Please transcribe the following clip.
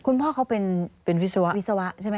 คุณพ่อเขาเป็นวิศวะใช่ไหมคะ